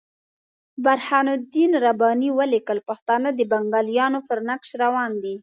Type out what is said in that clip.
برهان الدین رباني ولیکل پښتانه د بنګالیانو پر نقش روان دي.